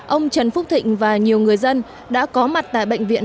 ông trần phúc thịnh và nhiều người dân đã có mặt tại bệnh viện